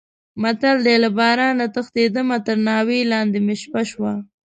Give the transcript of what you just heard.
متل دی: له بارانه تښتېدم تر ناوې لانې مې شپه شوه.